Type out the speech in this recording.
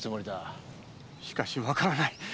しかしわからない。